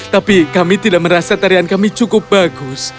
tapi kami tidak merasa tarian kami cukup bagus